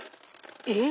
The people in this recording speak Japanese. えっ？